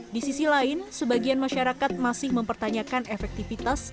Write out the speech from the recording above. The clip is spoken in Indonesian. di sisi lain sebagian masyarakat masih mempertanyakan efektivitas